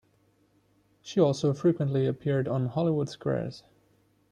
She also frequently appeared on "Hollywood Squares".